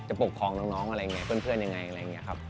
ปกครองน้องอะไรอย่างนี้เพื่อนยังไงอะไรอย่างนี้ครับ